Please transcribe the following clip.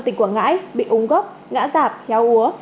tỉnh quảng ngãi bị ung gốc ngã giảp héo úa